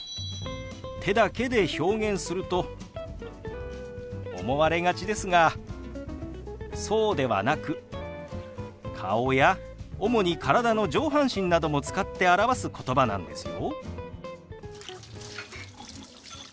手だけで表現すると思われがちですがそうではなく顔や主に体の上半身なども使って表すことばなんですよ。